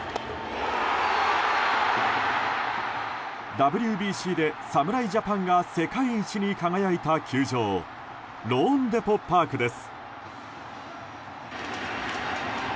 ＷＢＣで侍ジャパンが世界一に輝いた球場ローンデポ・パークです。